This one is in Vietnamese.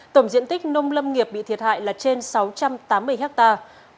tổng diện tích nông lâm nghiệp bị thiệt hại là trên sáu trăm tám mươi hectare